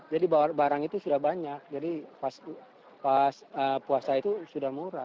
jadi barang itu sudah banyak jadi pas puasa itu sudah murah